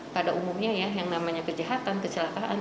pada umumnya ya yang namanya kejahatan kecelakaan